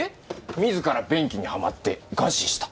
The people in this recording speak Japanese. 自ら便器にはまって餓死した。